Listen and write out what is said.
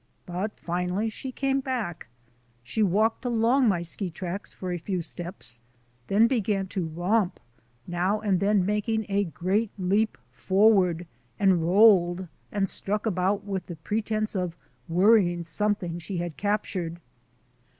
But finally she came back. She walked along my ski tracks for a few steps, then began to romp, now and then making WINTER MOUNTAINEERING 47 a great leap forward, and rolled and struck about with the pretence of worrying something she had captured.